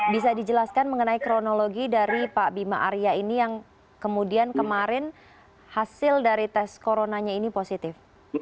bisa dijelaskan mengenai kronologi dari pak bima arya ini yang kemudian kemarin hasil dari tes coronanya ini positif